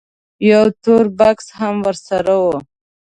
یو تور بکس هم ورسره و.